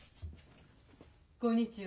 こんにちは。